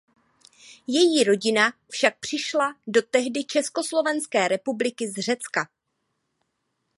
Její rodina však přišla do tehdy Československé republiky z Řecka.